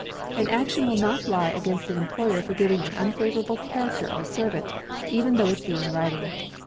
An action will not lie against an employer for giving an unfavourable character of a servant, even though it be in writing.